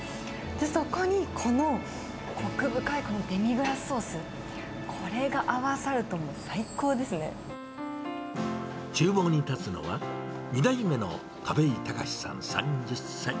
そこにこのこく深いこのデミグラスソース、これが合わさるともう、ちゅう房に立つのは、２代目の田部井崇さん３０歳。